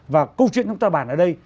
và câu chuyện chúng ta bàn ở đây